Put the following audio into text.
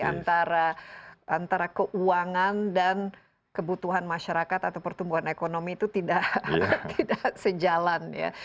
jadi antara keuangan dan kebutuhan masyarakat atau pertumbuhan ekonomi itu tidak sejalan ya